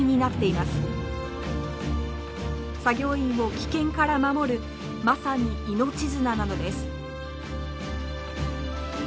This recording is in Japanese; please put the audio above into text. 作業員を危険から守るまさに命綱なのです。